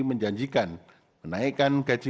menjanjikan menaikkan gaji